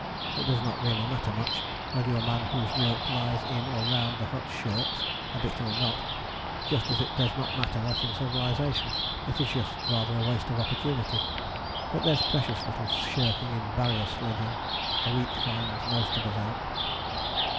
It does not really matter much whether your man whose work lies in or round the hut shirks a bit or not, just as it does not matter much in civilization: it is just rather a waste of opportunity. But there's precious little shirking in Barrier sledging: a week finds most of us out.